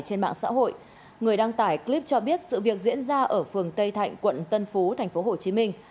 trên mạng xã hội người đăng tải clip cho biết sự việc diễn ra ở phường tây thạnh quận tân phú tp hcm